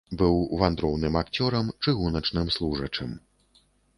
Быў вандроўным акцёрам, чыгуначным служачым.